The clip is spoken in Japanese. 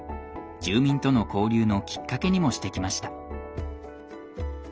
住民との交流のきっかけにもしてきました。